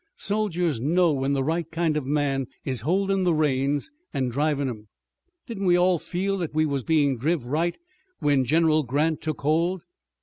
Soldiers know when the right kind of a man is holdin' the reins an' drivin' 'em. Didn't we all feel that we was bein' driv right when General Grant took hold?"